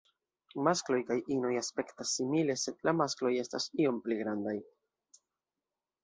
Maskloj kaj inoj aspektas simile, sed la maskloj estas iom pli grandaj.